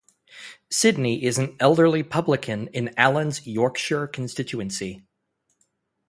Sidney is an elderly publican in Alan's Yorkshire constituency.